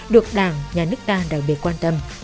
được đảng nhà nước đa đặc biệt quan tâm